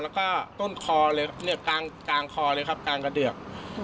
แล้วก็ต้นคอเลยครับกลางคอเลยครับกลางกระเดือก